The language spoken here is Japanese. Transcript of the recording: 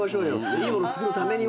いいものつくるためには。